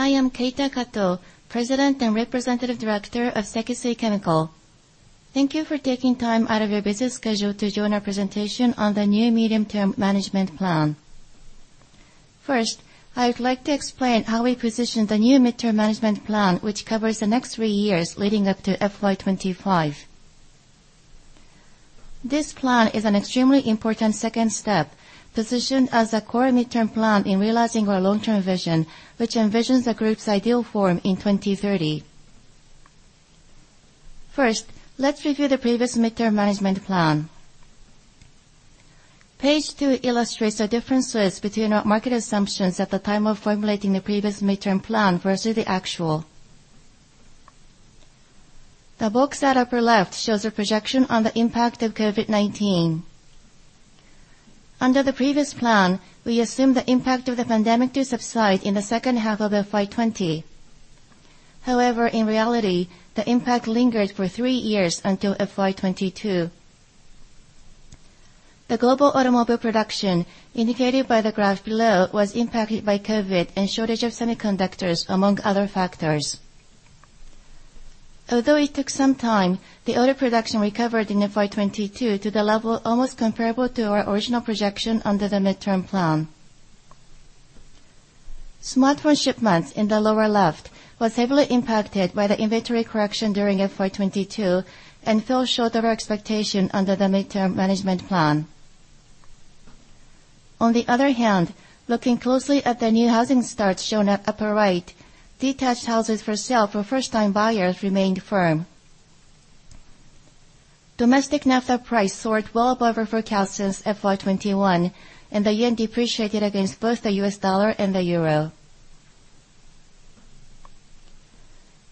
I am Keita Kato, President and Representative Director of Sekisui Chemical. Thank you for taking time out of your busy schedule to join our presentation on the new medium-term management plan. First, I would like to explain how we position the new midterm management plan, which covers the next three years leading up to FY 2025. This plan is an extremely important second step, positioned as a core midterm plan in realizing our long-term vision, which envisions the group's ideal form in 2030. First, let's review the previous midterm management plan. Page two illustrates the differences between our market assumptions at the time of formulating the previous midterm plan versus the actual. The box at upper left shows a projection on the impact of COVID-19. Under the previous plan, we assumed the impact of the pandemic to subside in the second half of FY 2020. In reality, the impact lingered for three years until FY 2022. The global automobile production, indicated by the graph below, was impacted by COVID and shortage of semiconductors, among other factors. Although it took some time, the auto production recovered in FY 2022 to the level almost comparable to our original projection under the midterm plan. Smartphone shipments in the lower left was heavily impacted by the inventory correction during FY 2022 and fell short of our expectation under the midterm management plan. Looking closely at the new housing starts shown at upper right, detached houses for sale for first-time buyers remained firm. Domestic naphtha price soared well above our forecast since FY 2021, and the yen depreciated against both the US dollar and the euro.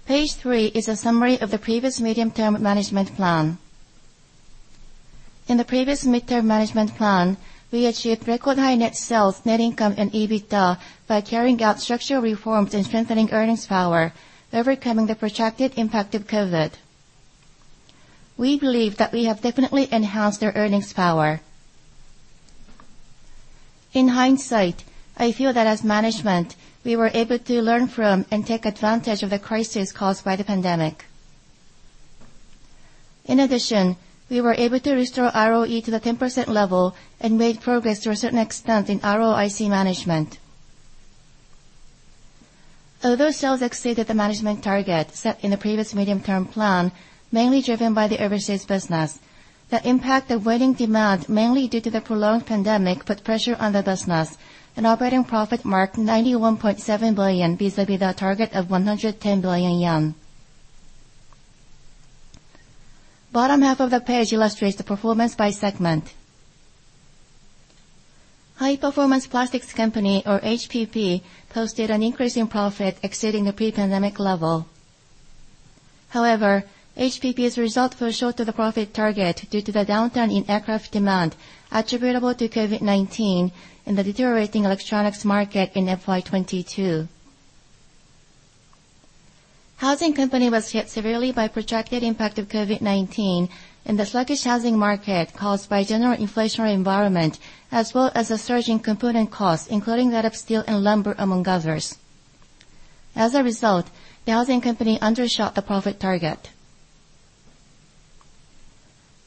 Page three is a summary of the previous midterm management plan. In the previous midterm management plan, we achieved record high net sales, net income, and EBITDA by carrying out structural reforms and strengthening earnings power, overcoming the protracted impact of COVID. We believe that we have definitely enhanced their earnings power. In hindsight, I feel that as management, we were able to learn from and take advantage of the crisis caused by the pandemic. In addition, we were able to restore ROE to the 10% level and made progress to a certain extent in ROIC management. Although sales exceeded the management target set in the previous medium-term plan, mainly driven by the overseas business, the impact of waning demand, mainly due to the prolonged pandemic, put pressure on the business, and operating profit marked 91.7 billion vis-a-vis the target of 110 billion yen. Bottom half of the page illustrates the performance by segment. High Performance Plastics Company, or HPP, posted an increase in profit exceeding the pre-pandemic level. HPP's result fell short of the profit target due to the downturn in aircraft demand attributable to COVID-19 and the deteriorating electronics market in FY 22. Housing Company was hit severely by protracted impact of COVID-19 and the sluggish housing market caused by general inflationary environment, as well as a surge in component costs, including that of steel and lumber, among others. The Housing Company undershot the profit target.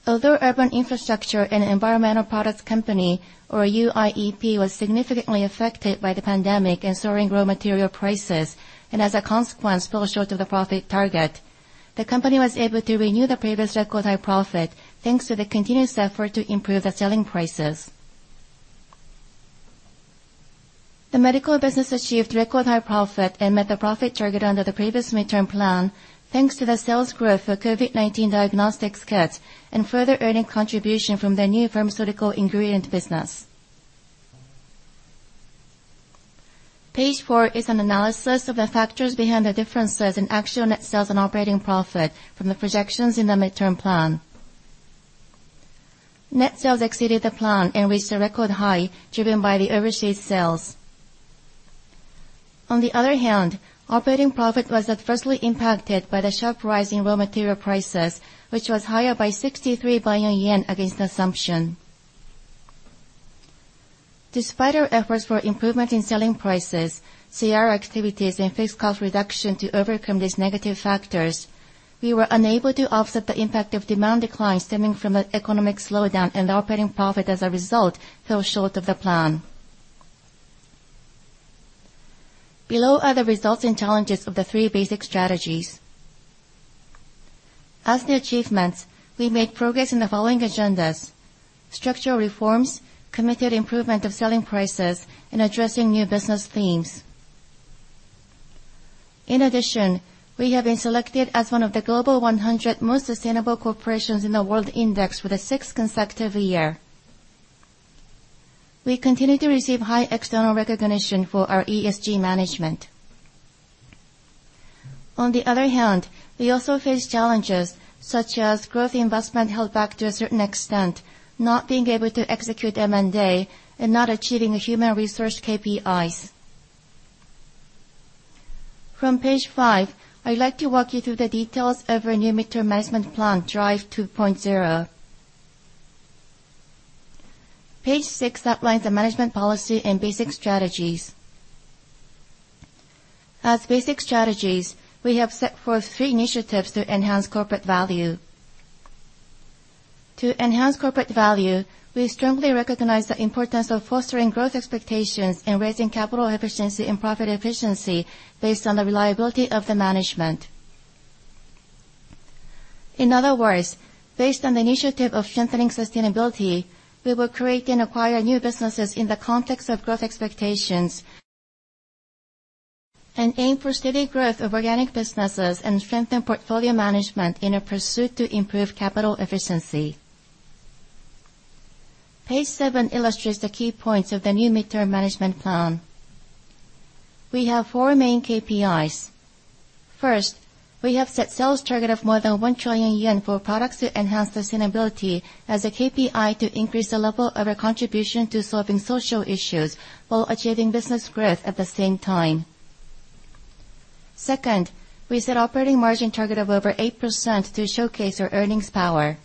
Urban Infrastructure and Environmental Products Company, or UIEP, was significantly affected by the pandemic and soaring raw material prices, and as a consequence, fell short of the profit target, the company was able to renew the previous record high profit thanks to the continuous effort to improve the selling prices. The Medical Business achieved record high profit and met the profit target under the previous midterm plan, thanks to the sales growth for COVID-19 diagnostics kits and further earning contribution from the new pharmaceutical ingredient business. Page four is an analysis of the factors behind the differences in actual net sales and operating profit from the projections in the midterm plan. Net sales exceeded the plan and reached a record high, driven by the overseas sales. On the other hand, operating profit was adversely impacted by the sharp rise in raw material prices, which was higher by 63 billion yen against assumption. Despite our efforts for improvement in selling prices, CR activities, and fixed cost reduction to overcome these negative factors, we were unable to offset the impact of demand decline stemming from an economic slowdown, and the operating profit as a result fell short of the plan. Below are the results and challenges of the 3 basic strategies. As the achievements, we made progress in the following agendas: structural reforms, committed improvement of selling prices, and addressing new business themes. In addition, we have been selected as one of the Global 100 Most Sustainable Corporations in the World Index for the sixth consecutive year. We continue to receive high external recognition for our ESG management. On the other hand, we also face challenges such as growth investment held back to a certain extent, not being able to execute M&A, and not achieving human resource KPIs. From page five, I'd like to walk you through the details of our new midterm management plan, Drive 2.0. Page six outlines the management policy and basic strategies. As basic strategies, we have set forth three initiatives to enhance corporate value. To enhance corporate value, we strongly recognize the importance of fostering growth expectations and raising capital efficiency and profit efficiency based on the reliability of the management. In other words, based on the initiative of strengthening sustainability, we will create and acquire new businesses in the context of growth expectations and aim for steady growth of organic businesses and strengthen portfolio management in a pursuit to improve capital efficiency. Page seven illustrates the key points of the new midterm management plan. We have four main KPIs. First, we have set sales target of more than 1 trillion yen for products to enhance sustainability as a KPI to increase the level of our contribution to solving social issues while achieving business growth at the same time. Second, we set operating margin target of over 8% to showcase our earnings power.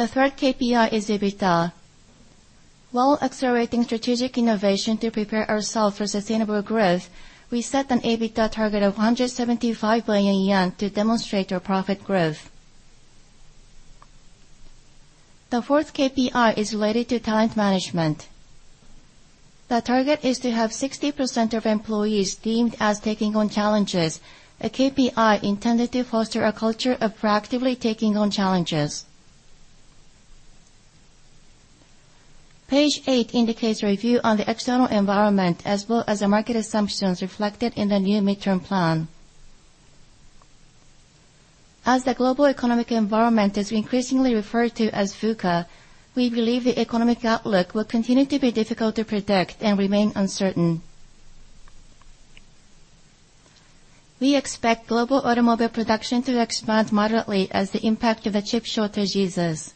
The third KPI is EBITDA. While accelerating strategic innovation to prepare ourselves for sustainable growth, we set an EBITDA target of JPY 175 billion to demonstrate our profit growth. The fourth KPI is related to talent management. The target is to have 60% of employees deemed as taking on challenges, a KPI intended to foster a culture of proactively taking on challenges. Page 8 indicates a review on the external environment as well as the market assumptions reflected in the new midterm plan. As the global economic environment is increasingly referred to as VUCA, we believe the economic outlook will continue to be difficult to predict and remain uncertain. We expect global automobile production to expand moderately as the impact of the chip shortage eases.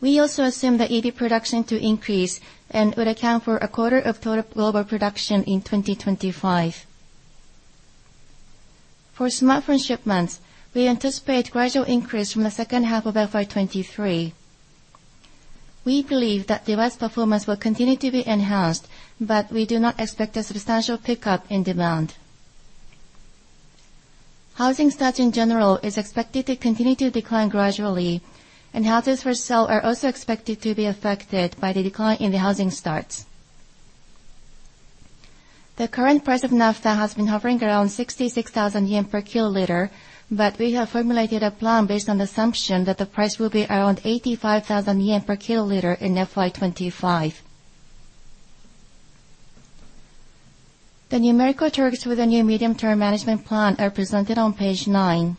We also assume the EV production to increase and would account for a quarter of total global production in 2025. For smartphone shipments, we anticipate gradual increase from the second half of FY 2023. We believe that device performance will continue to be enhanced, but we do not expect a substantial pickup in demand. Housing starts in general is expected to continue to decline gradually, and houses for sale are also expected to be affected by the decline in the housing starts. The current price of naphtha has been hovering around 66,000 yen per kiloliter, but we have formulated a plan based on the assumption that the price will be around 85,000 yen per kiloliter in FY 2025. The numerical targets for the new medium-term management plan are presented on page 9.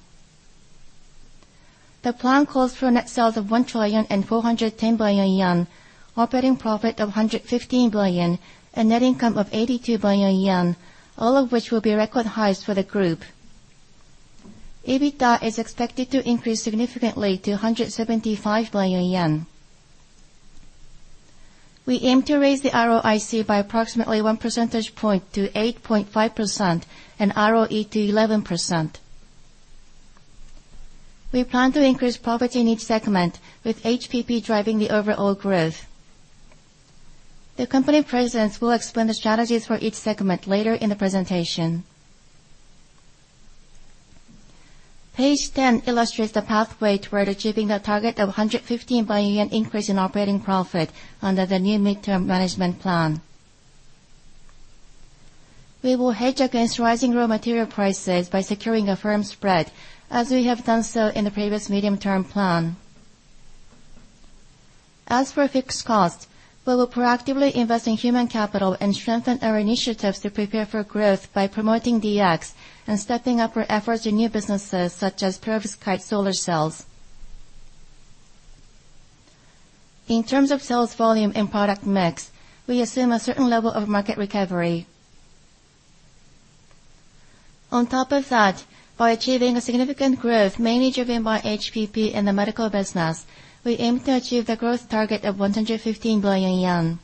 The plan calls for net sales of 1,410 billion yen, operating profit of 115 billion, and net income of 82 billion yen, all of which will be record highs for the group. EBITDA is expected to increase significantly to 175 billion yen. We aim to raise the ROIC by approximately 1 percentage point to 8.5% and ROE to 11%. We plan to increase profits in each segment, with HPP driving the overall growth. The company presidents will explain the strategies for each segment later in the presentation. Page 10 illustrates the pathway toward achieving a target of JPY 115 billion increase in operating profit under the new midterm management plan. We will hedge against rising raw material prices by securing a firm spread, as we have done so in the previous medium-term plan. As for fixed costs, we will proactively invest in human capital and strengthen our initiatives to prepare for growth by promoting DX and stepping up our efforts in new businesses such as perovskite solar cells. In terms of sales volume and product mix, we assume a certain level of market recovery. On top of that, by achieving a significant growth, mainly driven by HPP and the medical business, we aim to achieve the growth target of 115 billion yen.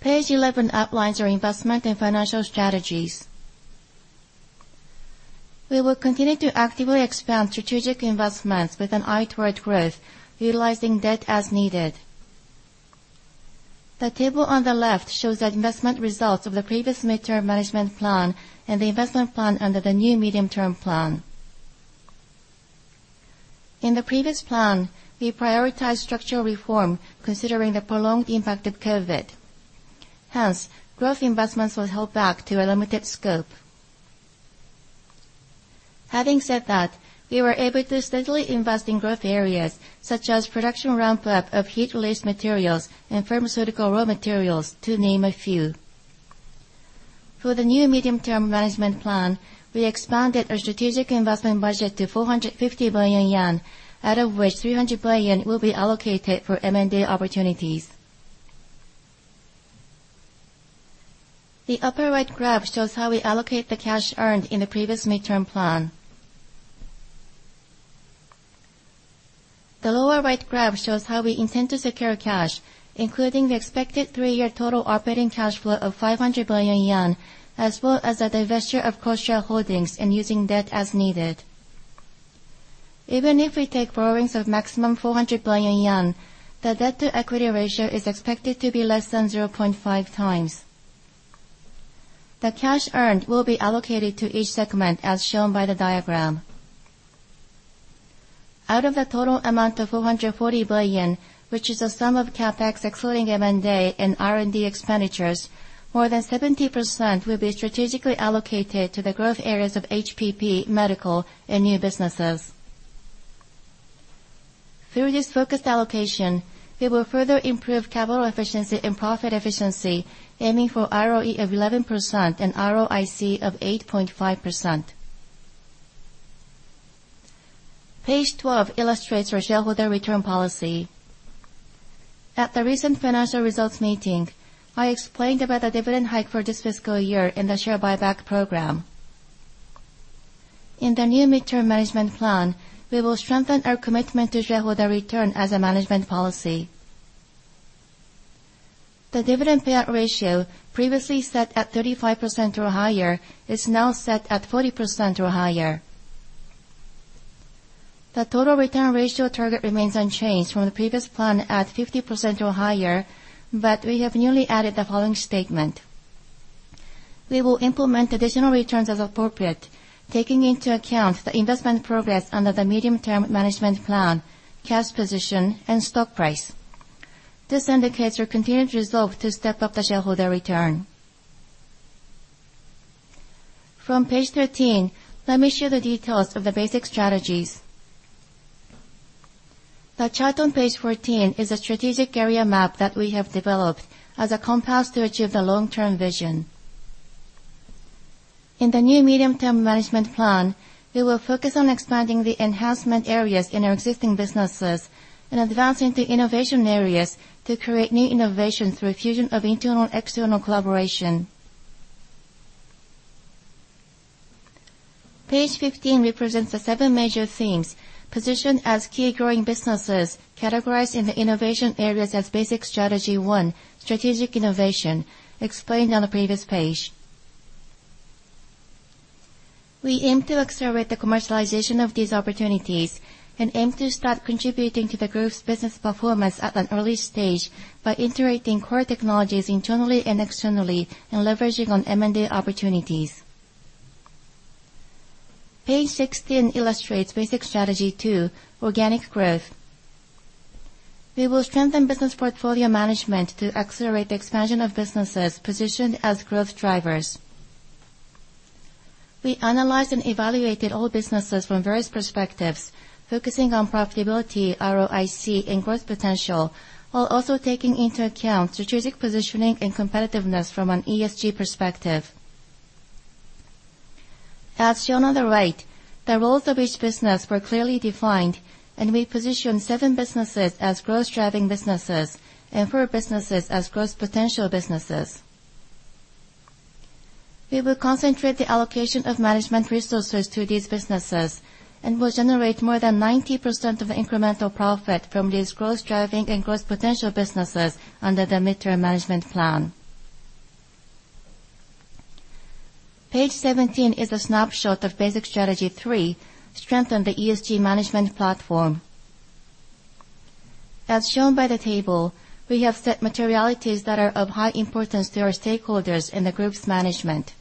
Page 11 outlines our investment and financial strategies. We will continue to actively expand strategic investments with an eye toward growth, utilizing debt as needed. The table on the left shows the investment results of the previous midterm management plan and the investment plan under the new medium-term plan. In the previous plan, we prioritized structural reform considering the prolonged impact of COVID. Hence, growth investments were held back to a limited scope. Having said that, we were able to steadily invest in growth areas such as production ramp-up of heat release materials and pharmaceutical raw materials, to name a few. For the new medium-term management plan, we expanded our strategic investment budget to 450 billion yen, out of which 300 billion will be allocated for M&A opportunities. The upper right graph shows how we allocate the cash earned in the previous midterm plan. The lower right graph shows how we intend to secure cash, including the expected three-year total operating cash flow of 500 billion yen, as well as the divesture of cross-share holdings and using debt as needed. Even if we take borrowings of maximum 400 billion yen, the debt-to-equity ratio is expected to be less than 0.5 times. The cash earned will be allocated to each segment, as shown by the diagram. Out of the total amount of 440 billion, which is the sum of CapEx, excluding M&A and R&D expenditures, more than 70% will be strategically allocated to the growth areas of HPP, medical, and new businesses. Through this focused allocation, we will further improve capital efficiency and profit efficiency, aiming for ROE of 11% and ROIC of 8.5%. Page 12 illustrates our shareholder return policy. At the recent financial results meeting, I explained about the dividend hike for this fiscal year and the share buyback program. In the new midterm management plan, we will strengthen our commitment to shareholder return as a management policy. The dividend payout ratio previously set at 35% or higher is now set at 40% or higher. The total return ratio target remains unchanged from the previous plan at 50% or higher, but we have newly added the following statement. We will implement additional returns as appropriate, taking into account the investment progress under the medium-term management plan, cash position, and stock price. This indicates our continued resolve to step up the shareholder return. From page 13, let me show the details of the basic strategies. The chart on page 14 is a strategic area map that we have developed as a compass to achieve the long-term vision. In the new medium-term management plan, we will focus on expanding the enhancement areas in our existing businesses and advancing the innovation areas to create new innovations through fusion of internal and external collaboration. Page 15 represents the 7 major themes positioned as key growing businesses categorized in the innovation areas as Basic Strategy One, Strategic Innovation, explained on the previous page. We aim to accelerate the commercialization of these opportunities and aim to start contributing to the group's business performance at an early stage by integrating core technologies internally and externally and leveraging on M&A opportunities. Page 16 illustrates Basic Strategy Two, Organic Growth. We will strengthen business portfolio management to accelerate the expansion of businesses positioned as growth drivers. We analyzed and evaluated all businesses from various perspectives, focusing on profitability, ROIC, and growth potential, while also taking into account strategic positioning and competitiveness from an ESG perspective. As shown on the right, the roles of each business were clearly defined, and we positioned 7 businesses as growth-driving businesses and 4 businesses as growth potential businesses. We will concentrate the allocation of management resources to these businesses and will generate more than 90% of the incremental profit from these growth-driving and growth potential businesses under the midterm management plan. Page 17 is a snapshot of Basic Strategy 3, Strengthen the ESG Management Platform. Shown by the table, we have set materialities that are of high importance to our stakeholders in the group's management.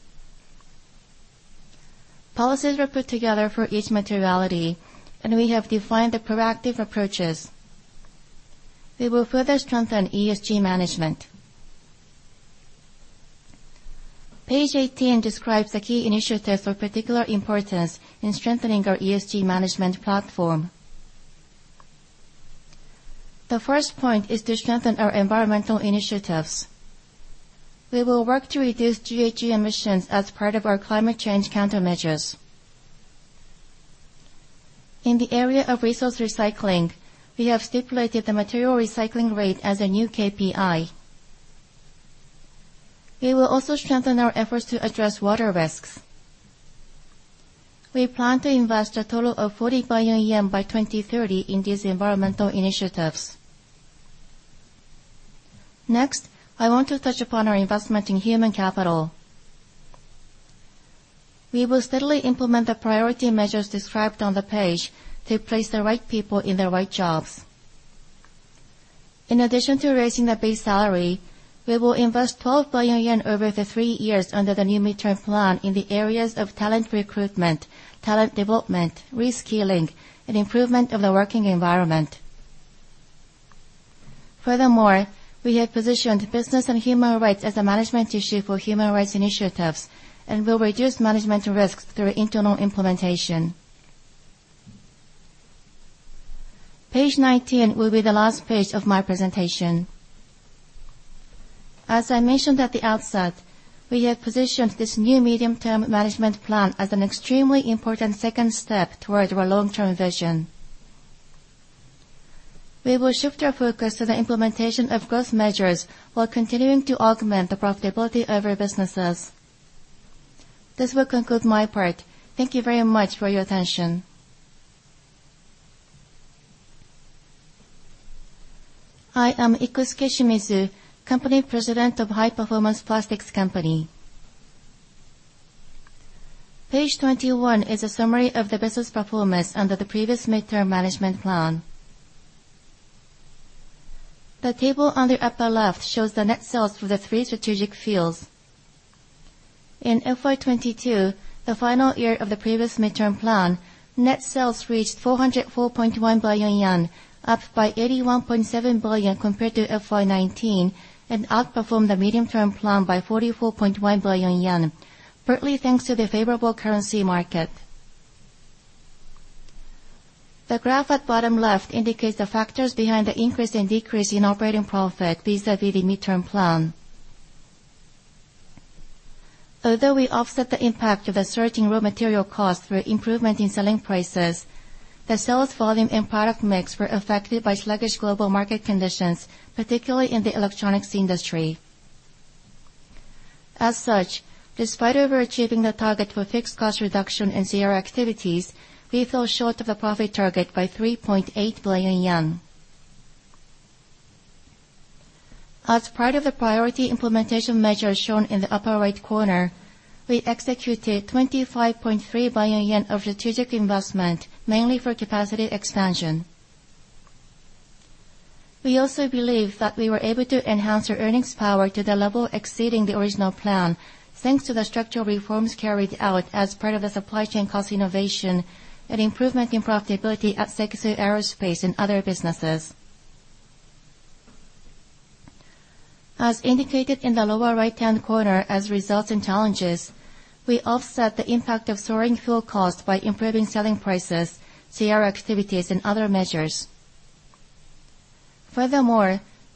Policies were put together for each materiality. We have defined the proactive approaches. We will further strengthen ESG management. Page 18 describes the key initiatives of particular importance in strengthening our ESG management platform. The first point is to strengthen our environmental initiatives. We will work to reduce GHG emissions as part of our climate change countermeasures. In the area of resource recycling, we have stipulated the material recycling rate as a new KPI. We will also strengthen our efforts to address water risks. We plan to invest a total of 40 billion yen by 2030 in these environmental initiatives. Next, I want to touch upon our investment in human capital. We will steadily implement the priority measures described on the page to place the right people in the right jobs. In addition to raising the base salary, we will invest 12 billion yen over the 3 years under the new midterm plan in the areas of talent recruitment, talent development, reskilling, and improvement of the working environment. Furthermore, we have positioned business and human rights as a management issue for human rights initiatives and will reduce management risks through internal implementation. Page 19 will be the last page of my presentation. As I mentioned at the outset, we have positioned this new medium-term management plan as an extremely important second step toward our long-term vision. We will shift our focus to the implementation of growth measures while continuing to augment the profitability of our businesses. This will conclude my part. Thank you very much for your attention. I am Ikusuke Shimizu, Company President of High Performance Plastics Company. Page 21 is a summary of the business performance under the previous midterm management plan. The table on the upper left shows the net sales for the 3 strategic fields. In FY 2022, the final year of the previous midterm plan, net sales reached 404.1 billion yen, up by 81.7 billion compared to FY 2019, and outperformed the medium-term plan by 44.1 billion yen, partly thanks to the favorable currency market. The graph at bottom left indicates the factors behind the increase and decrease in operating profit vis-a-vis the midterm plan. Although we offset the impact of the surging raw material costs through improvement in selling prices, the sales volume and product mix were affected by sluggish global market conditions, particularly in the electronics industry. Despite overachieving the target for fixed cost reduction and CR activities, we fell short of the profit target by 3.8 billion yen. As part of the priority implementation measures shown in the upper right corner, we executed 25.3 billion yen of strategic investment, mainly for capacity expansion. We also believe that we were able to enhance our earnings power to the level exceeding the original plan, thanks to the structural reforms carried out as part of the supply chain cost innovation and improvement in profitability at Sekisui Aerospace and other businesses. As indicated in the lower right-hand corner as results and challenges, we offset the impact of soaring fuel costs by improving selling prices, CR activities, and other measures.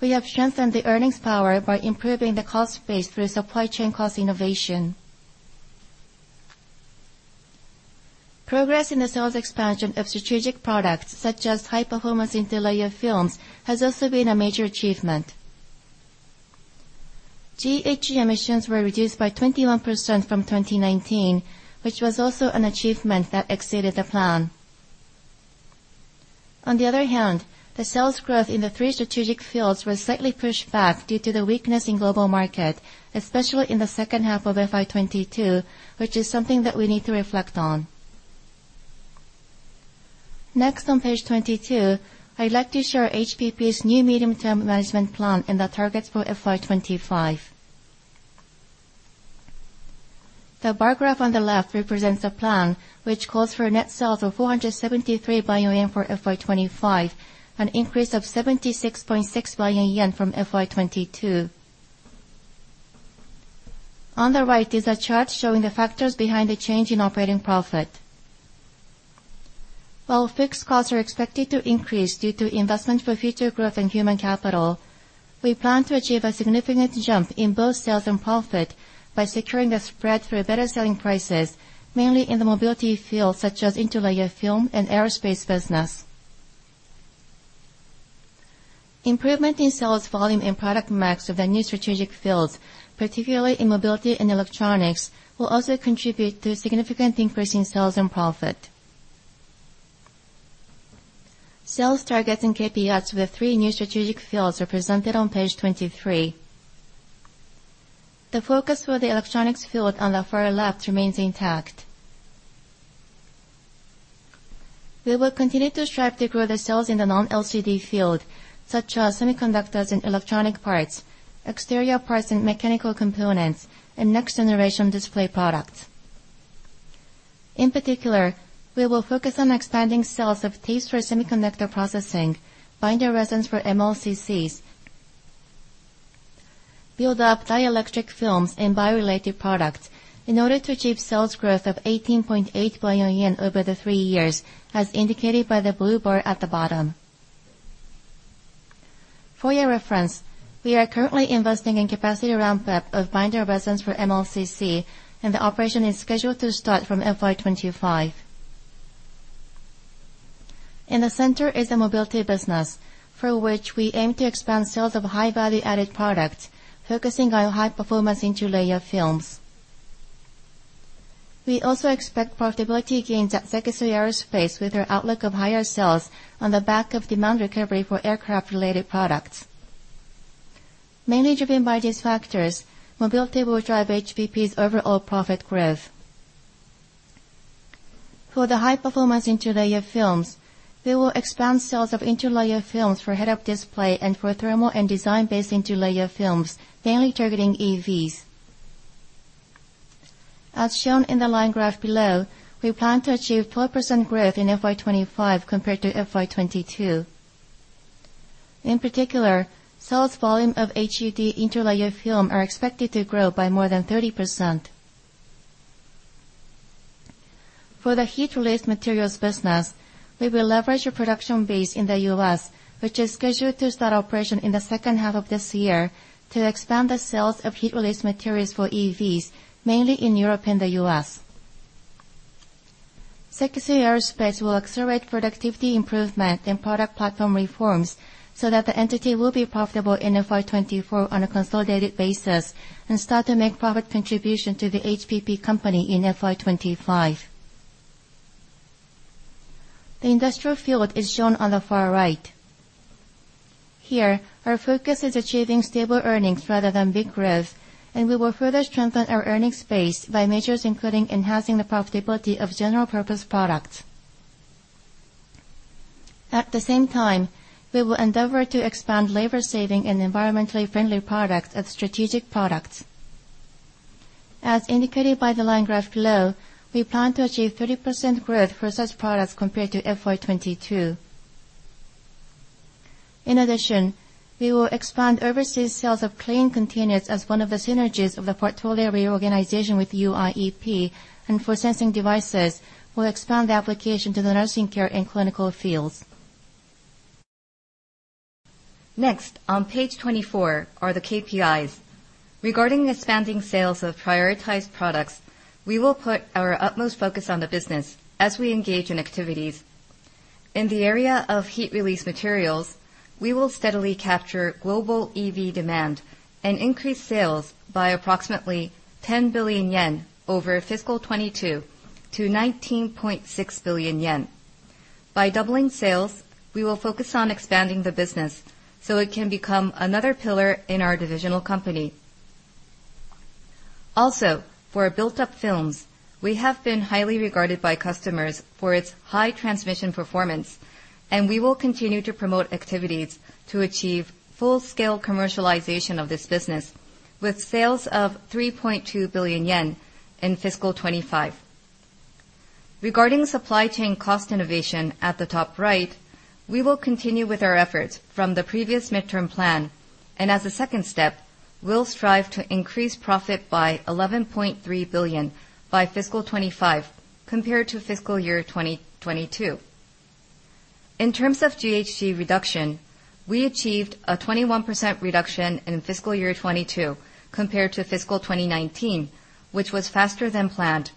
We have strengthened the earnings power by improving the cost base through supply chain cost innovation. Progress in the sales expansion of strategic products such as high-performance interlayer films has also been a major achievement. GHG emissions were reduced by 21% from 2019, which was also an achievement that exceeded the plan. On the other hand, the sales growth in the three strategic fields was slightly pushed back due to the weakness in global market, especially in the second half of FY 2022, which is something that we need to reflect on. Next on page 22, I'd like to share HPP's new medium-term management plan and the targets for FY 2025. The bar graph on the left represents a plan which calls for a net sales of 473 billion yen for FY 2025, an increase of 76.6 billion yen from FY 2022. On the right is a chart showing the factors behind the change in operating profit. While fixed costs are expected to increase due to investment for future growth and human capital, we plan to achieve a significant jump in both sales and profit by securing the spread through better selling prices, mainly in the mobility field such as interlayer film and aerospace business. Improvement in sales volume and product mix of the new strategic fields, particularly in mobility and electronics, will also contribute to a significant increase in sales and profit. Sales targets and KPIs with three new strategic fields are presented on page 23. The focus for the electronics field on the far left remains intact. We will continue to strive to grow the sales in the non-LCD field, such as semiconductors and electronic parts, exterior parts and mechanical components, and next-generation display products. In particular, we will focus on expanding sales of tapes for semiconductor processing, binder resins for MLCCs, Build-up Dielectric Films, and bio-related products in order to achieve sales growth of 18.8 billion yen over the three years, as indicated by the blue bar at the bottom. For your reference, we are currently investing in capacity ramp-up of binder resins for MLCC, and the operation is scheduled to start from FY 2025. In the center is the mobility business, for which we aim to expand sales of high-value added products, focusing on high-performance interlayer films. We also expect profitability gains at SEKISUI AEROSPACE CORPORATION with our outlook of higher sales on the back of demand recovery for aircraft-related products. Mainly driven by these factors, mobility will drive HPP's overall profit growth. For the high-performance interlayer films, we will expand sales of interlayer films for head-up display and for thermal and design-based interlayer films, mainly targeting EVs. As shown in the line graph below, we plan to achieve 4% growth in FY 2025 compared to FY 2022. In particular, sales volume of HUD interlayer film are expected to grow by more than 30%. For the heat-release materials business, we will leverage a production base in the US, which is scheduled to start operation in the second half of this year to expand the sales of heat-release materials for EVs, mainly in Europe and the US. Second source space will accelerate productivity improvement and product platform reforms so that the entity will be profitable in FY 2024 on a consolidated basis and start to make profit contribution to the HPP company in FY 2025. The industrial field is shown on the far right. Here our focus is achieving stable earnings rather than big growth, and we will further strengthen our earnings base by measures including enhancing the profitability of general purpose products. At the same time, we will endeavor to expand labor saving and environmentally friendly products as strategic products. As indicated by the line graph below, we plan to achieve 30% growth for such products compared to FY 2022. We will expand overseas sales of clean containers as one of the synergies of the portfolio reorganization with UIEP, and for sensing devices, we'll expand the application to the nursing care and clinical fields. On page 24 are the KPIs. Regarding expanding sales of prioritized products, we will put our utmost focus on the business as we engage in activities. In the area of heat release materials, we will steadily capture global EV demand and increase sales by approximately 10 billion yen over fiscal 22 to 19.6 billion yen. By doubling sales, we will focus on expanding the business so it can become another pillar in our divisional company. Also, for Build-up films, we have been highly regarded by customers for its high transmission performance, and we will continue to promote activities to achieve full-scale commercialization of this business with sales of 3.2 billion yen in fiscal 2025. Regarding supply chain cost innovation at the top right, we will continue with our efforts from the previous midterm plan, and as a second step, we'll strive to increase profit by 11.3 billion by fiscal 2025 compared to fiscal year 2022. In terms of GHG reduction, we achieved a 21% reduction in fiscal year 2022 compared to fiscal 2019, which was faster than planned.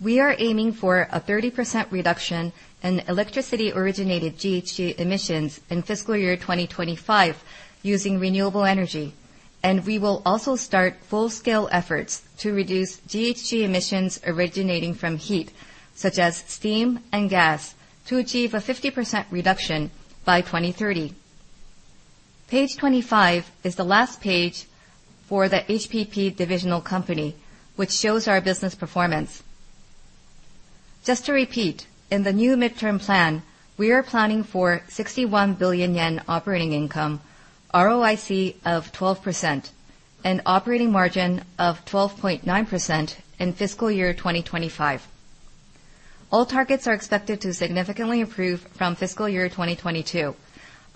We are aiming for a 30% reduction in electricity-originated GHG emissions in fiscal year 2025 using renewable energy. We will also start full-scale efforts to reduce GHG emissions originating from heat, such as steam and gas, to achieve a 50% reduction by 2030. Page 25 is the last page for the HPP divisional company, which shows our business performance. Just to repeat, in the new midterm plan, we are planning for 61 billion yen operating income, ROIC of 12% and operating margin of 12.9% in fiscal year 2025. All targets are expected to significantly improve from fiscal year 2022.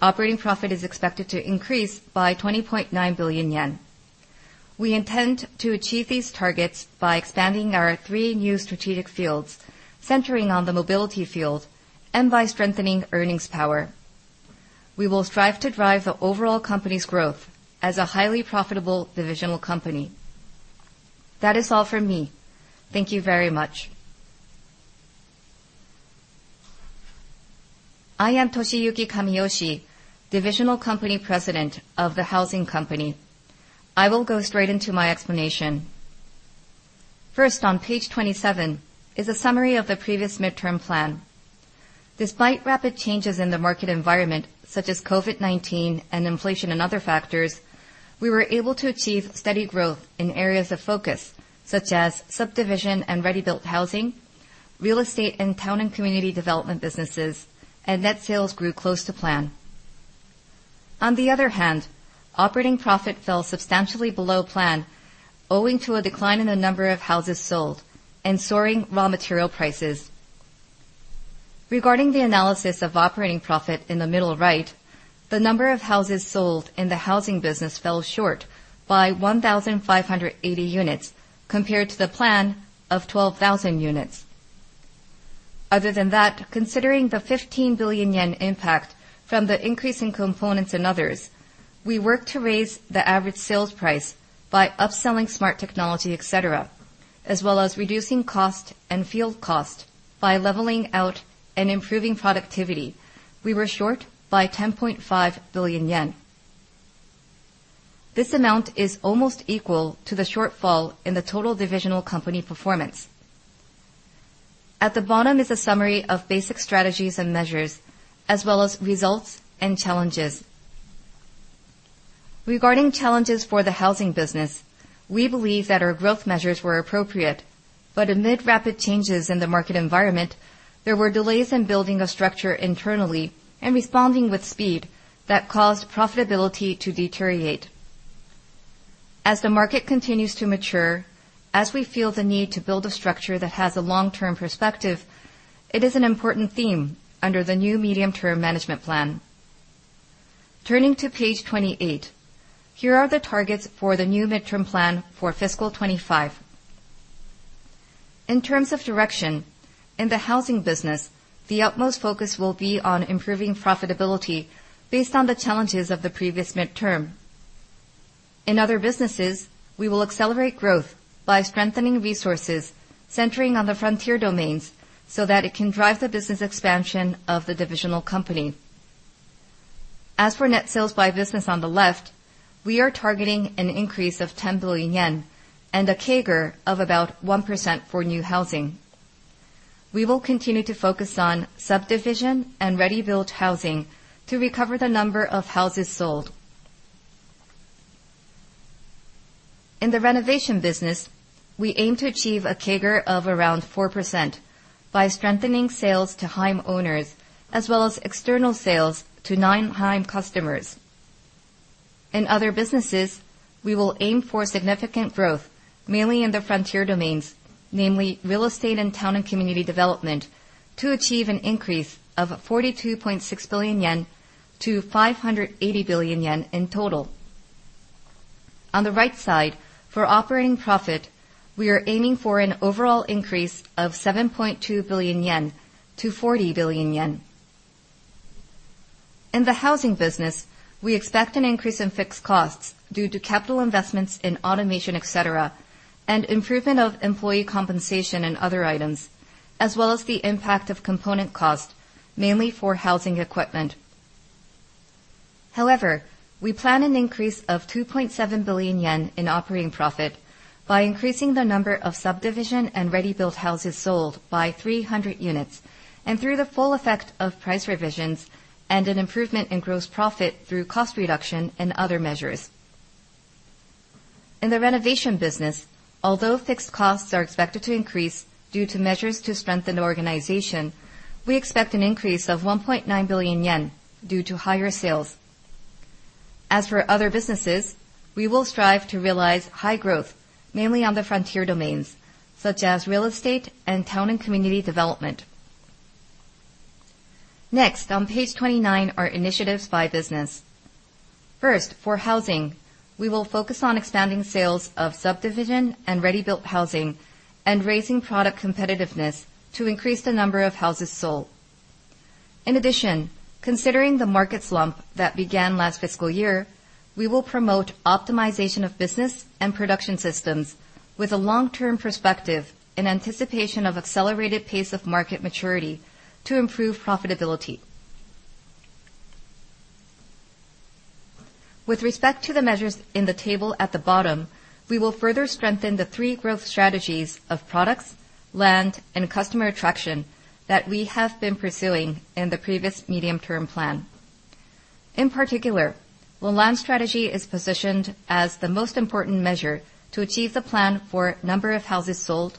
Operating profit is expected to increase by 20.9 billion yen. We intend to achieve these targets by expanding our three new strategic fields centering on the mobility field and by strengthening earnings power. We will strive to drive the overall company's growth as a highly profitable divisional company. That is all from me. Thank you very much. I am Toshiyuki Kamiyoshi, divisional company president of the Housing Company. I will go straight into my explanation. First, on page 27 is a summary of the previous midterm plan. Despite rapid changes in the market environment such as COVID-19 and inflation and other factors, we were able to achieve steady growth in areas of focus such as subdivision and ready-built housing, real estate and town and community development businesses, net sales grew close to plan. On the other hand, operating profit fell substantially below plan owing to a decline in the number of houses sold and soaring raw material prices. Regarding the analysis of operating profit in the middle right, the number of houses sold in the housing business fell short by 1,580 units compared to the plan of 12,000 units. Other than that, considering the 15 billion yen impact from the increase in components and others, we worked to raise the average sales price by upselling smart technology, etc., as well as reducing cost and field cost by leveling out and improving productivity. We were short by 10.5 billion yen. This amount is almost equal to the shortfall in the total divisional company performance. At the bottom is a summary of basic strategies and measures as well as results and challenges. Regarding challenges for the housing business, we believe that our growth measures were appropriate. Amid rapid changes in the market environment, there were delays in building a structure internally and responding with speed that caused profitability to deteriorate. As the market continues to mature, as we feel the need to build a structure that has a long-term perspective, it is an important theme under the new medium-term management plan. Turning to page 28. Here are the targets for the new midterm plan for fiscal 25. In terms of direction in the housing business, the utmost focus will be on improving profitability based on the challenges of the previous midterm. In other businesses, we will accelerate growth by strengthening resources centering on the frontier domains so that it can drive the business expansion of the divisional company. As for net sales by business on the left, we are targeting an increase of 10 billion yen and a CAGR of about 1% for new housing. We will continue to focus on subdivision and ready-built housing to recover the number of houses sold. In the renovation business, we aim to achieve a CAGR of around 4% by strengthening sales to home owners as well as external sales to nine high customers. In other businesses, we will aim for significant growth, mainly in the frontier domains, namely real estate and town and community development, to achieve an increase of 42.6 billion yen to 580 billion yen in total. On the right side, for operating profit, we are aiming for an overall increase of 7.2 billion yen to 40 billion yen. In the housing business, we expect an increase in fixed costs due to capital investments in automation, et cetera, and improvement of employee compensation and other items, as well as the impact of component cost, mainly for housing equipment. However, we plan an increase of 2.7 billion yen in operating profit by increasing the number of subdivision and ready-built houses sold by 300 units, and through the full effect of price revisions and an improvement in gross profit through cost reduction and other measures. In the renovation business, although fixed costs are expected to increase due to measures to strengthen the organization, we expect an increase of 1.9 billion yen due to higher sales. As for other businesses, we will strive to realize high growth, mainly on the frontier domains such as real estate and town and community development. Next, on page 29 are initiatives by business. First, for housing, we will focus on expanding sales of subdivision and ready-built housing and raising product competitiveness to increase the number of houses sold. In addition, considering the market slump that began last fiscal year, we will promote optimization of business and production systems with a long-term perspective in anticipation of accelerated pace of market maturity to improve profitability. With respect to the measures in the table at the bottom, we will further strengthen the three growth strategies of products, land, and customer attraction that we have been pursuing in the previous medium-term plan. In particular, the land strategy is positioned as the most important measure to achieve the plan for number of houses sold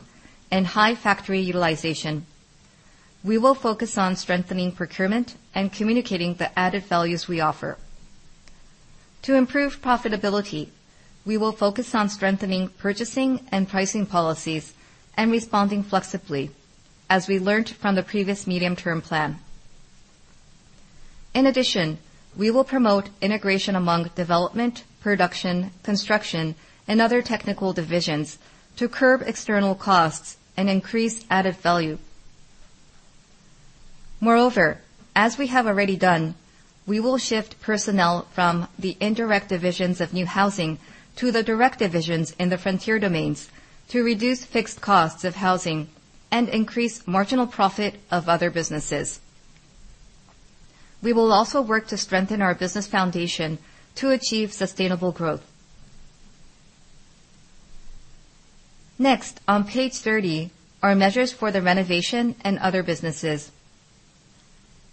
and high factory utilization. We will focus on strengthening procurement and communicating the added values we offer. To improve profitability, we will focus on strengthening purchasing and pricing policies and responding flexibly as we learned from the previous medium-term plan. In addition, we will promote integration among development, production, construction, and other technical divisions to curb external costs and increase added value. Moreover, as we have already done, we will shift personnel from the indirect divisions of new housing to the direct divisions in the frontier domains to reduce fixed costs of housing and increase marginal profit of other businesses. We will also work to strengthen our business foundation to achieve sustainable growth. Next on page 30 are measures for the renovation and other businesses.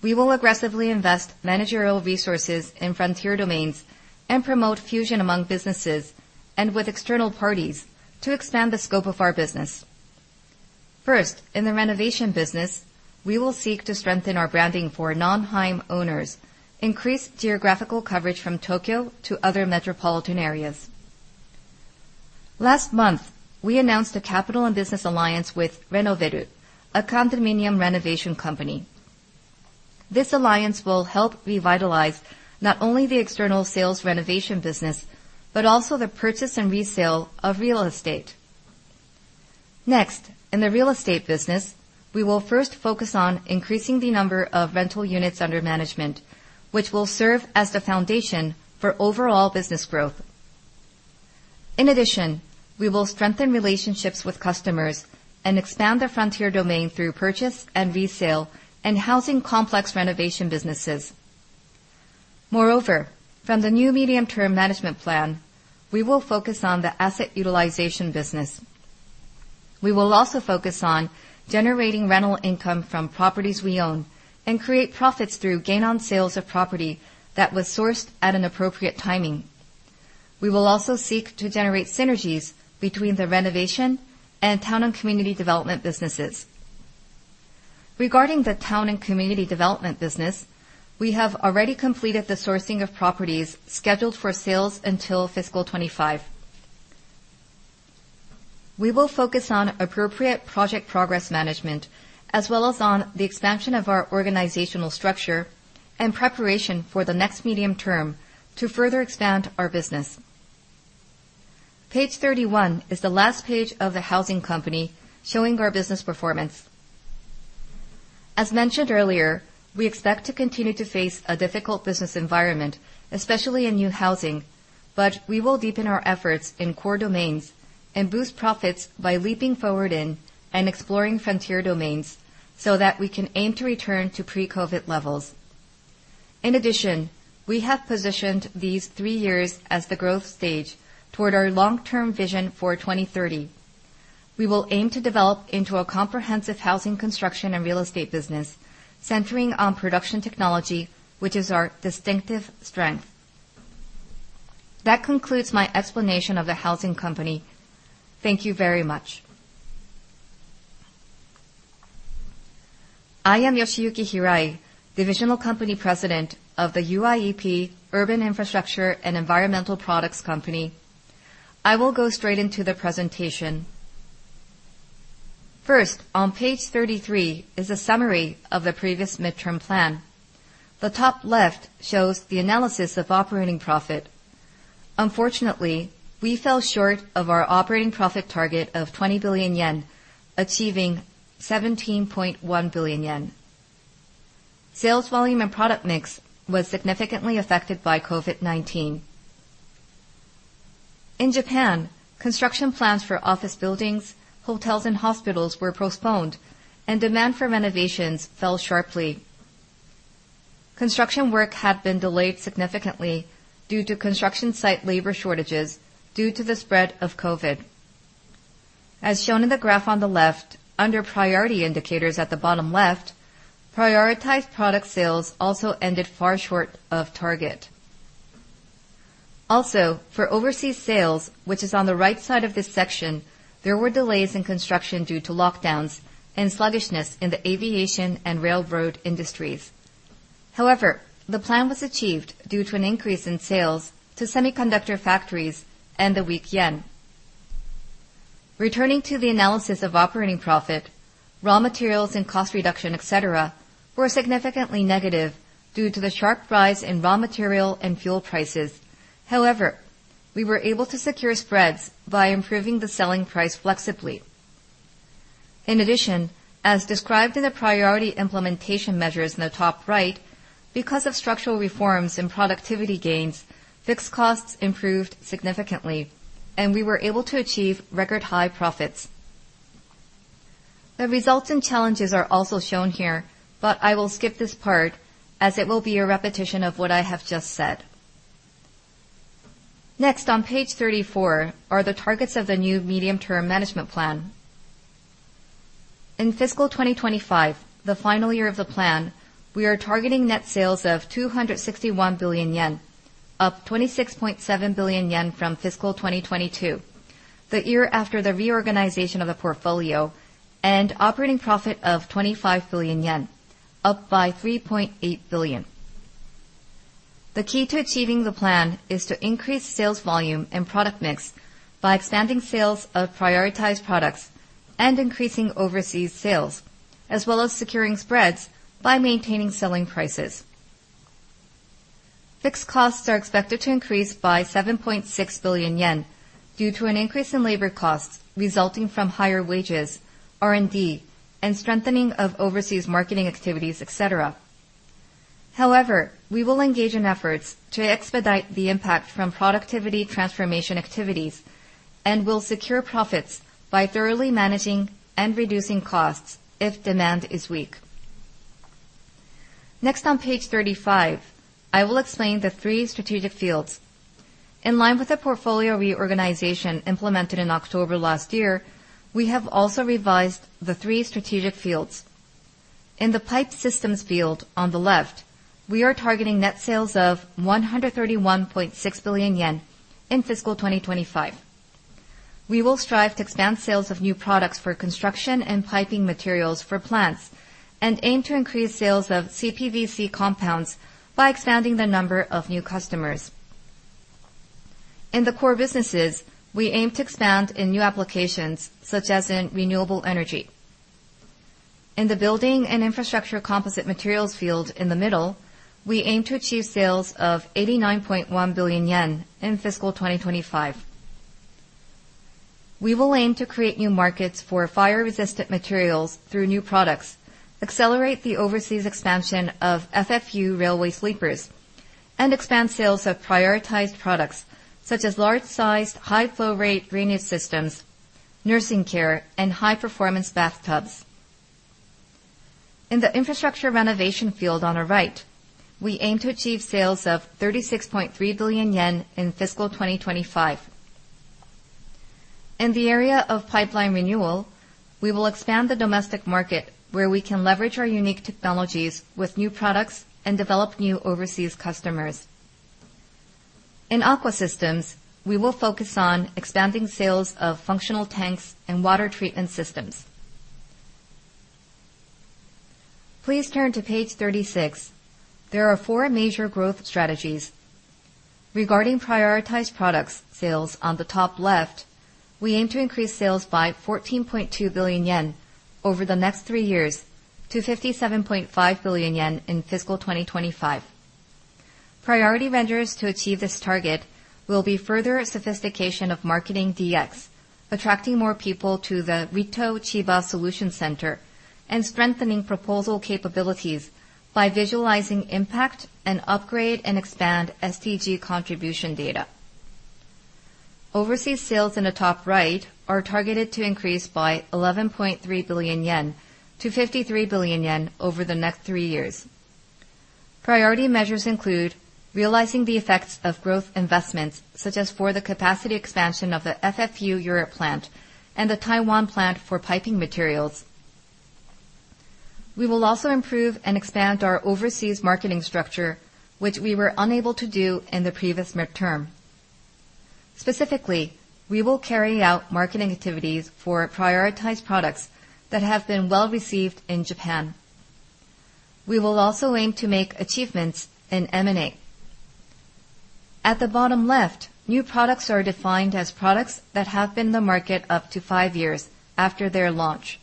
We will aggressively invest managerial resources in frontier domains and promote fusion among businesses and with external parties to expand the scope of our business. First, in the renovation business, we will seek to strengthen our branding for non-home owners, increase geographical coverage from Tokyo to other metropolitan areas. Last month, we announced a capital and business alliance with Renovell, a condominium renovation company. This alliance will help revitalize not only the external sales renovation business, but also the purchase and resale of real estate. In the real estate business, we will first focus on increasing the number of rental units under management, which will serve as the foundation for overall business growth. We will strengthen relationships with customers and expand their frontier domain through purchase and resale and housing complex renovation businesses. From the new midterm management plan, we will focus on the asset utilization business. We will also focus on generating rental income from properties we own and create profits through gain on sales of property that was sourced at an appropriate timing. We will also seek to generate synergies between the renovation and town and community development businesses. Regarding the town and community development business, we have already completed the sourcing of properties scheduled for sales until fiscal 25. We will focus on appropriate project progress management as well as on the expansion of our organizational structure and preparation for the next medium term to further expand our business. Page 31 is the last page of the Housing Company showing our business performance. As mentioned earlier, we expect to continue to face a difficult business environment, especially in new housing, we will deepen our efforts in core domains and boost profits by leaping forward in and exploring frontier domains so that we can aim to return to pre-COVID levels. We have positioned these three years as the growth stage toward our long-term vision for 2030. We will aim to develop into a comprehensive housing construction and real estate business centering on production technology, which is our distinctive strength. That concludes my explanation of the Housing Company. Thank you very much. I am Yoshiyuki Hirai, Divisional Company President of the UIEP Urban Infrastructure and Environmental Products Company. I will go straight into the presentation. First, on page 33 is a summary of the previous midterm plan. The top left shows the analysis of operating profit. Unfortunately, we fell short of our operating profit target of 20 billion yen, achieving 17.1 billion yen. Sales volume and product mix was significantly affected by COVID-19. In Japan, construction plans for office buildings, hotels, and hospitals were postponed. Demand for renovations fell sharply. Construction work had been delayed significantly due to construction site labor shortages due to the spread of COVID. As shown in the graph on the left, under priority indicators at the bottom left, prioritized product sales also ended far short of target. For overseas sales, which is on the right side of this section, there were delays in construction due to lockdowns and sluggishness in the aviation and railroad industries. However, the plan was achieved due to an increase in sales to semiconductor factories and the weak yen. Returning to the analysis of operating profit, raw materials and cost reduction, et cetera, were significantly negative due to the sharp rise in raw material and fuel prices. However, we were able to secure spreads by improving the selling price flexibly. In addition, as described in the priority implementation measures in the top right, because of structural reforms and productivity gains, fixed costs improved significantly, and we were able to achieve record high profits. The results and challenges are also shown here. I will skip this part as it will be a repetition of what I have just said. Next, on page 34 are the targets of the new medium-term management plan. In fiscal 2025, the final year of the plan, we are targeting net sales of 261 billion yen, up 26.7 billion yen from fiscal 2022, the year after the reorganization of the portfolio, and operating profit of 25 billion yen, up by 3.8 billion. The key to achieving the plan is to increase sales volume and product mix by expanding sales of prioritized products and increasing overseas sales, as well as securing spreads by maintaining selling prices. Fixed costs are expected to increase by 7.6 billion yen due to an increase in labor costs resulting from higher wages, R&D, and strengthening of overseas marketing activities, et cetera. We will engage in efforts to expedite the impact from productivity transformation activities and will secure profits by thoroughly managing and reducing costs if demand is weak. Next, on page 35, I will explain the three strategic fields. In line with the portfolio reorganization implemented in October last year, we have also revised the three strategic fields. In the pipe systems field on the left, we are targeting net sales of 131.6 billion yen in fiscal 2025. We will strive to expand sales of new products for construction and piping materials for plants and aim to increase sales of CPVC compounds by expanding the number of new customers. In the core businesses, we aim to expand in new applications such as in renewable energy. In the building and infrastructure composite materials field in the middle, we aim to achieve sales of 89.1 billion yen in fiscal 2025. We will aim to create new markets for fire-resistant materials through new products, accelerate the overseas expansion of FFU railway sleepers, and expand sales of prioritized products such as large-sized, high flow rate drainage systems, nursing care, and high-performance bathtubs. In the infrastructure renovation field on the right, we aim to achieve sales of 36.3 billion yen in fiscal 2025. In the area of pipeline renewal, we will expand the domestic market where we can leverage our unique technologies with new products and develop new overseas customers. In Aqua Systems, we will focus on expanding sales of functional tanks and water treatment systems. Please turn to page 36. There are four major growth strategies. Regarding prioritized products sales on the top left, we aim to increase sales by 14.2 billion yen over the next 3 years to 57.5 billion yen in fiscal 2025. Priority measures to achieve this target will be further sophistication of marketing DX, attracting more people to the Chiba Solution Center, and strengthening proposal capabilities by visualizing impact and upgrade and expand STG contribution data. Overseas sales in the top right are targeted to increase by 11.3 billion yen to 53 billion yen over the next 3 years. Priority measures include realizing the effects of growth investments, such as for the capacity expansion of the FFU Europe plant and the Taiwan plant for piping materials. We will also improve and expand our overseas marketing structure, which we were unable to do in the previous midterm. Specifically, we will carry out marketing activities for prioritized products that have been well-received in Japan. We will also aim to make achievements in M&A. At the bottom left, new products are defined as products that have been in the market up to five years after their launch.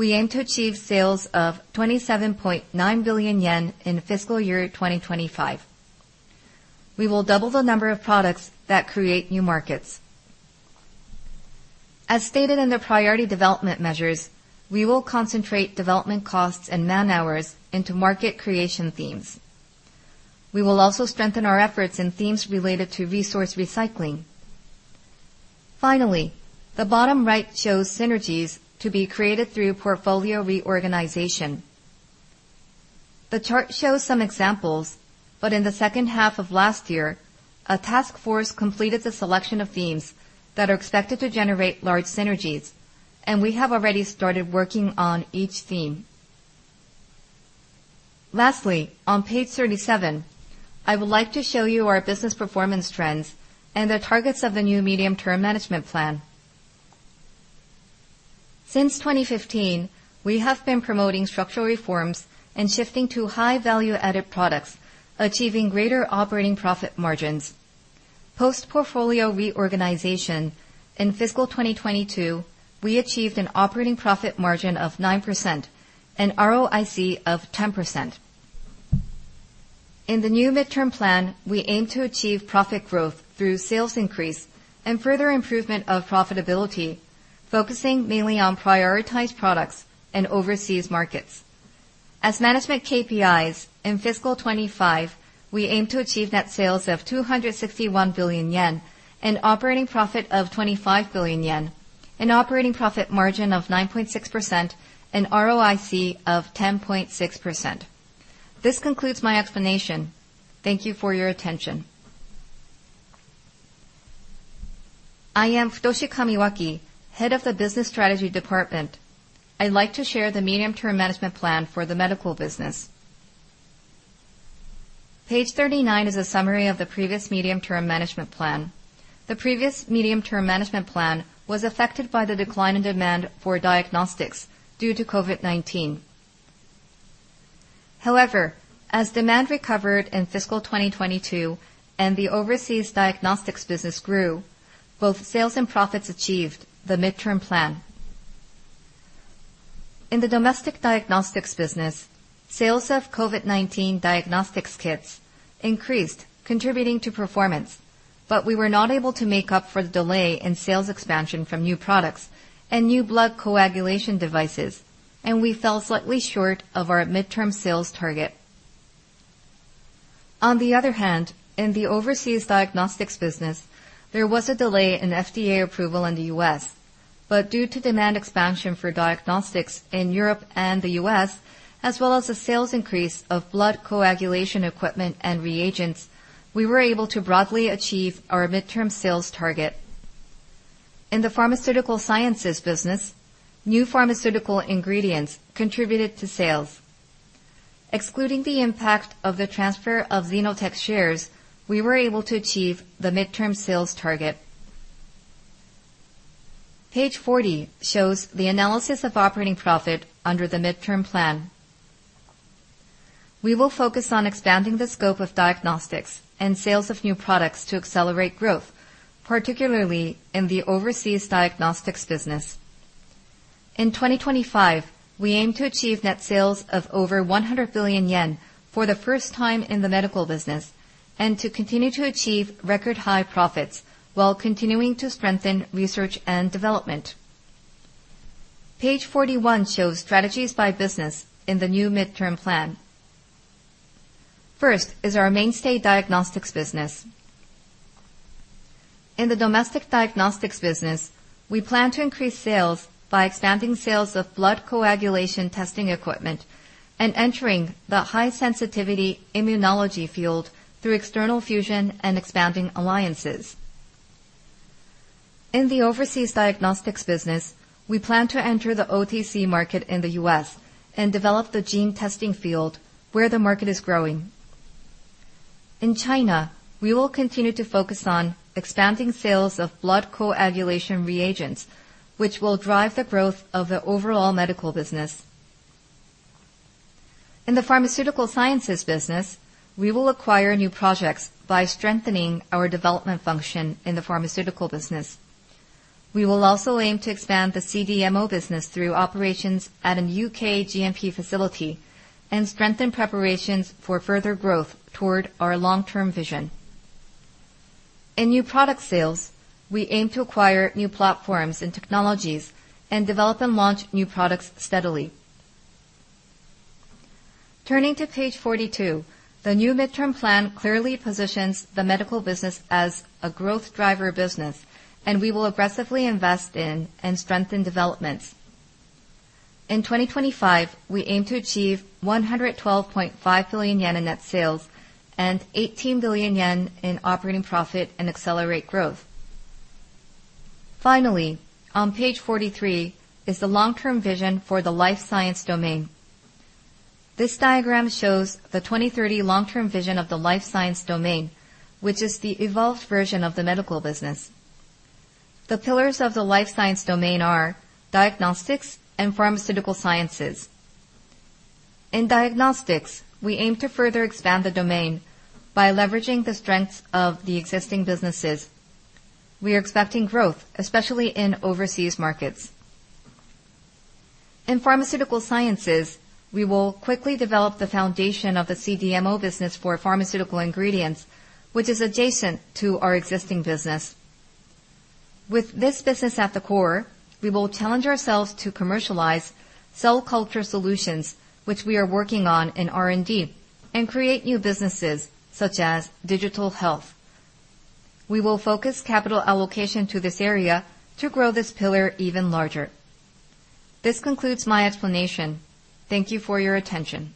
We aim to achieve sales of 27.9 billion yen in fiscal year 2025. We will double the number of products that create new markets. As stated in the priority development measures, we will concentrate development costs and man-hours into market creation themes. We will also strengthen our efforts in themes related to resource recycling. Finally, the bottom right shows synergies to be created through portfolio reorganization. The chart shows some examples, but in the second half of last year, a task force completed the selection of themes that are expected to generate large synergies, and we have already started working on each theme. Lastly, on page 37, I would like to show you our business performance trends and the targets of the new medium-term management plan. Since 2015, we have been promoting structural reforms and shifting to high value-added products, achieving greater operating profit margins. Post-portfolio reorganization in fiscal 2022, we achieved an operating profit margin of 9% and ROIC of 10%. In the new midterm plan, we aim to achieve profit growth through sales increase and further improvement of profitability, focusing mainly on prioritized products and overseas markets. As management KPIs, in fiscal 2025, we aim to achieve net sales of 261 billion yen, an operating profit of 25 billion yen, an operating profit margin of 9.6%, and ROIC of 10.6%. This concludes my explanation. Thank you for your attention. I am Futoshi Kamiwaki, Head of the Business Strategy Department. I'd like to share the medium-term management plan for the medical business. Page 39 is a summary of the previous medium-term management plan. The previous medium-term management plan was affected by the decline in demand for diagnostics due to COVID-19. As demand recovered in fiscal 2022 and the overseas diagnostics business grew, both sales and profits achieved the midterm plan. In the domestic diagnostics business, sales of COVID-19 diagnostics kits increased, contributing to performance. We were not able to make up for the delay in sales expansion from new products and new Blood Coagulation devices, and we fell slightly short of our midterm sales target. On the other hand, in the overseas diagnostics business, there was a delay in FDA approval in the U.S. Due to demand expansion for diagnostics in Europe and the U.S., as well as the sales increase of Blood Coagulation equipment and reagents, we were able to broadly achieve our midterm sales target. In the pharmaceutical sciences business, new pharmaceutical ingredients contributed to sales. Excluding the impact of the transfer of Xenotech shares, we were able to achieve the midterm sales target. Page 40 shows the analysis of operating profit under the midterm plan. We will focus on expanding the scope of diagnostics and sales of new products to accelerate growth, particularly in the overseas diagnostics business. In 2025, we aim to achieve net sales of over 100 billion yen for the first time in the medical business and to continue to achieve record high profits while continuing to strengthen research and development. Page 41 shows strategies by business in the new midterm plan. First is our mainstay diagnostics business. In the domestic diagnostics business, we plan to increase sales by expanding sales of blood coagulation testing equipment and entering the high sensitivity immunology field through external fusion and expanding alliances. In the overseas diagnostics business, we plan to enter the OTC market in the U.S. and develop the gene testing field where the market is growing. In China, we will continue to focus on expanding sales of blood coagulation reagents, which will drive the growth of the overall medical business. In the pharmaceutical sciences business, we will acquire new projects by strengthening our development function in the pharmaceutical business. We will also aim to expand the CDMO business through operations at a U.K. GMP facility and strengthen preparations for further growth toward our long-term vision. In new product sales, we aim to acquire new platforms and technologies and develop and launch new products steadily. Turning to page 42, the new midterm plan clearly positions the medical business as a growth driver business, and we will aggressively invest in and strengthen developments. In 2025, we aim to achieve 112.5 billion yen in net sales and 18 billion yen in operating profit and accelerate growth. Finally, on page 43 is the long-term vision for the Life Science domain. This diagram shows the 2030 long-term vision of the Life Science domain, which is the evolved version of the medical business. The pillars of the Life Science domain are diagnostics and pharmaceutical sciences. In diagnostics, we aim to further expand the domain by leveraging the strengths of the existing businesses. We are expecting growth, especially in overseas markets. In pharmaceutical sciences, we will quickly develop the foundation of the CDMO business for pharmaceutical ingredients, which is adjacent to our existing business. With this business at the core, we will challenge ourselves to commercialize cell culture solutions which we are working on in R&D and create new businesses such as digital health. We will focus capital allocation to this area to grow this pillar even larger. This concludes my explanation. Thank you for your attention.